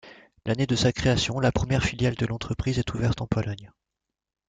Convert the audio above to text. L’année de sa création, la première filiale de l’entreprise est ouverte en Pologne.